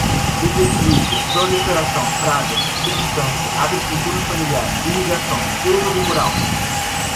desequilíbrio, proliferação, pragas, subsistência, agricultura familiar, irrigação, êxodo rural